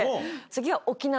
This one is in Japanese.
次は。